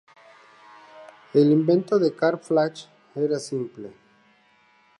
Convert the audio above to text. El invento de Karl Flach era simple.